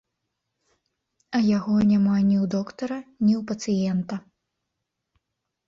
А яго няма ні ў доктара, ні ў пацыента!